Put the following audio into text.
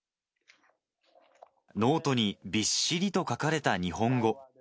ノートにびっしりと書かれた日本語。